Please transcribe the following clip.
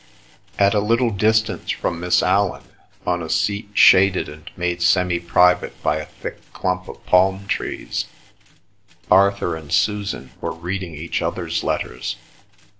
At a little distance from Miss Allan, on a seat shaded and made semi private by a thick clump of palm trees, Arthur and Susan were reading each other's letters.